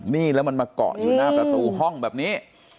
นี่แล้วมันมาเกาะอยู่หน้าประตูห้องแบบนี้